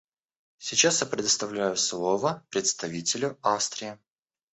Сейчас я предоставляю слово представителю Австрии.